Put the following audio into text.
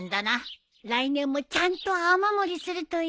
来年もちゃんと雨漏りするといいけど。